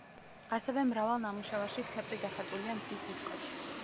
ასევე მრავალ ნამუშევარში ხეპრი დახატულია მზის დისკოში.